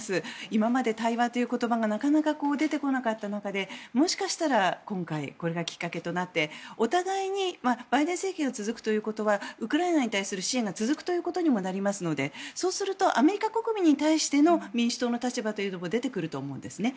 今まで対話という言葉がなかなか出てこなかった中でもしかしたら、今回これがきっかけとなってお互いにバイデン政権が続くということはウクライナに対する支援が続くということにもなりますのでそうするとアメリカ国民に対しての民主党の立場というのも出てくると思うんですね。